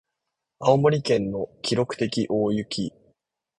青森県の記録的大雪